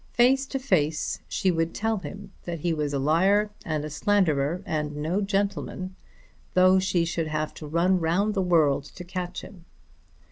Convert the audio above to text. Face to face she would tell him that he was a liar and a slanderer and no gentleman, though she should have to run round the world to catch him.